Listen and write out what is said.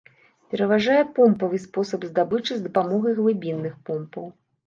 Пераважае помпавы спосаб здабычы з дапамогай глыбінных помпаў.